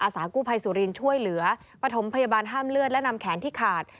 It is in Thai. สากู้ภัยสุรินทร์ช่วยเหลือปฐมพยาบาลห้ามเลือดและนำแขนที่ขาด